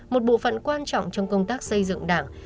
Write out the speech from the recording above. một bộ phận quan trọng trong công tác xây dựng đảng